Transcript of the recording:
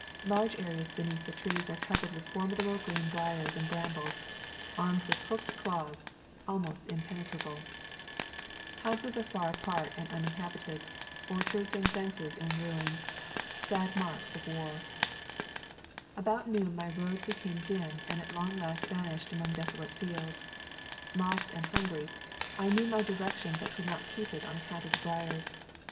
Large areas beneath the trees are covered with formidable green briers and brambles, armed with hooked claws, and almost impenetrable. Houses are [ 26 ] The Cumberland Mountains far apart and uninhabited, orchards and fences in ruins — sad marks of war. About noon my road became dim and at last vanished among desolate fields. Lost and hungry, I knew my direction but could not keep it on account of the briers.